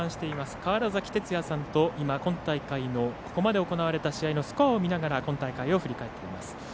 川原崎哲也さんと今今大会のここまで行われたスコアを見ながら今大会を振り返っています。